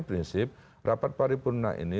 prinsip rapat paripurna ini